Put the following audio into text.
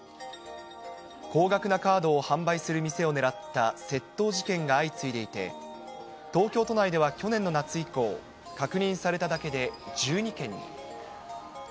高額なカードを販売する店をねらった窃盗事件が相次いでいて、東京都内では去年の夏以降、確認されただけで１２件に。